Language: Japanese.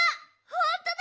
ほんとだ！